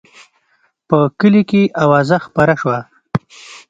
په کلي کې اوازه خپره شوه.